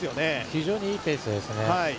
非常にいいペースですね。